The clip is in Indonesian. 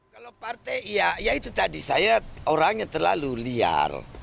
kalau partai ya itu tadi saya orang yang terlalu liar